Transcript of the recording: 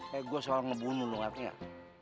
kayak gue seorang ngebunuh lu ngerti nggak